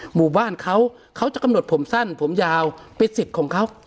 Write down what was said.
หมู่บ้านเขาเขาจะกำหนดผมสั้นผมยาวเป็นสิทธิ์ของเขา